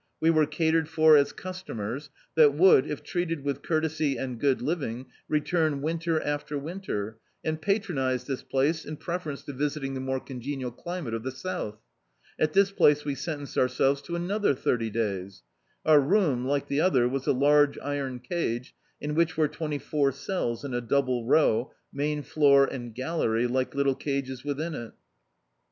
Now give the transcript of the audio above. We were catered for as customers that would, if treated with courtesy and good living, re turn winter after winter, and patronise this place in preference to visiting the more congenial climate of the south. At this place we sentenced ourselves to another thirty day^. Our room, like the other, was a large iron cage, in which were twenty four cells in a double row, main floor and gallery, like little cages within it.